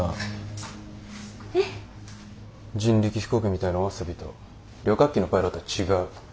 人力飛行機みたいなお遊びと旅客機のパイロットは違う。